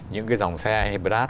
những cái dòng xe hybrid